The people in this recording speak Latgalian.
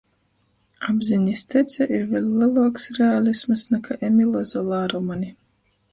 Apzinis tece ir vēļ leluoks realisms nakai Emila Zolā romani.